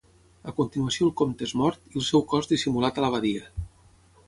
A continuació el comte és mort i el seu cos dissimulat a la badia.